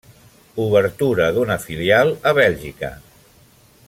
Obertura d’una filial a Bèlgica.